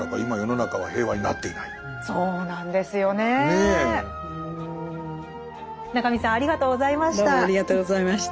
中見さんありがとうございました。